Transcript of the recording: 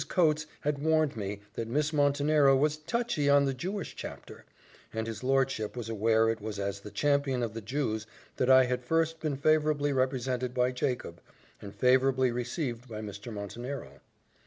Coates had warned me that Miss Montenero was touchy on the Jewish chapter, and his lordship was aware it was as the champion of the Jews that I had first been favourably represented by Jacob, and favourably received by Mr. Montenero.